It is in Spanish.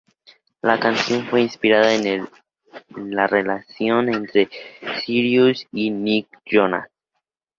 La canción fue inspirada en la relación entre Cyrus y Nick Jonas.